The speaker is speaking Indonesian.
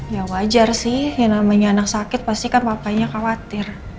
ya wajar sih yang namanya anak sakit pasti kan bapaknya khawatir